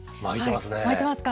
巻いてますか。